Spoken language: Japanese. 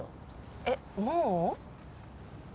えっもう？